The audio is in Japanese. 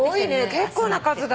結構な数だね。